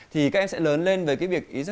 thì các em sẽ lớn lên với cái việc